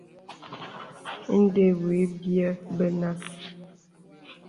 Ìndə̀ wì bìɛ̂ bənà.